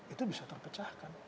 itu bisa terpecahkan